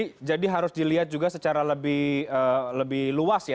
oke jadi harus dilihat juga secara lebih luas ya